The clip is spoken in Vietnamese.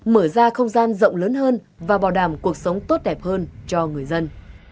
mở ra không gian rộng lớn hơn và bảo đảm cuộc sống tốt đẹp hơn cho người dân